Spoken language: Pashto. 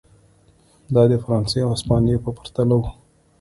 دا د فرانسې او هسپانیې په پرتله و.